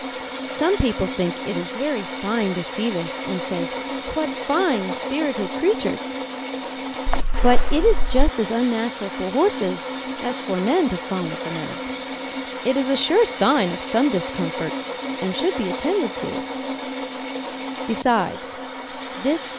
Some people think it very fine to see this, and say, "What fine spirited creatures!" But it is just as unnatural for horses as for men to foam at the mouth; it is a sure sign of some discomfort, and should be attended to.